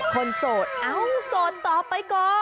โสดเอ้าโสดต่อไปก่อน